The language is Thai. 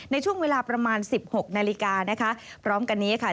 ในช่วงเวลาประมาณ๑๖นาฬิกานะคะพร้อมกันนี้ค่ะ